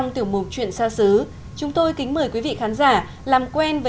từ xa về nhà chúng tôi sẽ giới thiệu với các người thân thương của hà nội